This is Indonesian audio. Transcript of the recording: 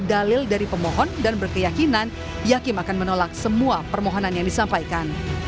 dalil dari pemohon dan berkeyakinan yakin akan menolak semua permohonan yang disampaikan